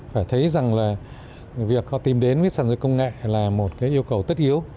phải thấy rằng việc họ tìm đến với sản giao dịch công nghệ là một yêu cầu tất yếu